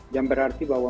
yang berarti bahwa